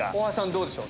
どうでしょう？